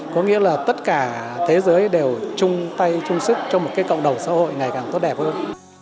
có nghĩa là tất cả thế giới đều chung tay chung sức cho một cái cộng đồng xã hội ngày càng tốt đẹp hơn